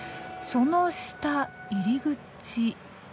その下入り口。